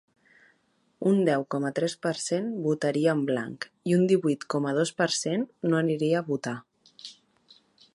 Un deu coma tres per cent votaria en blanc i un divuit coma dos per cent no aniria a votar.